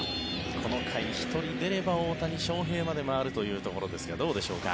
この回、１人出れば大谷翔平まで回るというところですがどうでしょうか。